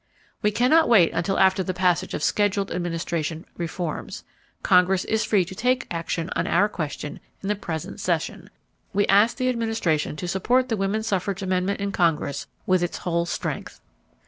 "We cannot wait until after the passage of scheduled Administration reforms .... Congress is free to take action on our question in the present session. We ask the Administration to support the woman suffrage amendment in Congress with its whole strength."